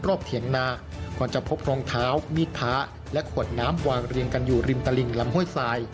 เถียงนาก่อนจะพบรองเท้ามีดพระและขวดน้ำวางเรียงกันอยู่ริมตลิงลำห้วยทราย